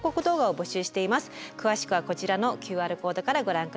詳しくはこちらのＱＲコードからご覧ください。